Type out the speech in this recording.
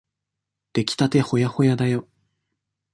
できたてほやほやだよ。